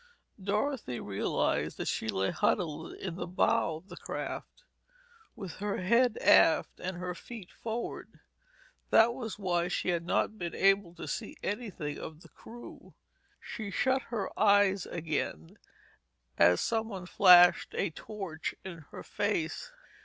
Dorothy realized that she lay huddled in the bow of the craft, with her head aft and her feet forward. That was why she had not been able to see anything of the crew. She shut her eyes again as someone flashed a torch in her face.